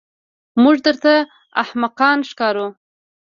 موږ درته احمقان ښکارو.